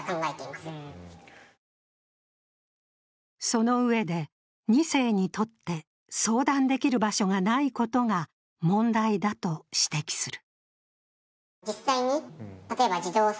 そのうえで、２世にとって相談できる場所がないことが問題だと指摘する。